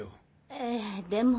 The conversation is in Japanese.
ええでも。